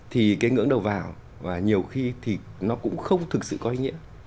thì cái ngưỡng đầu vào và nhiều khi thì nó cũng không thực sự có ý nghĩa